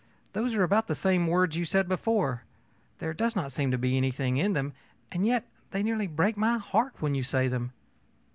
Those are about the same words you said before; there does not seem to be anything in them, and yet they nearly break my heart when you say them.